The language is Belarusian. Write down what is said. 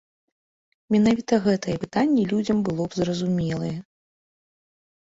Менавіта гэтае пытанне людзям было б зразумелае.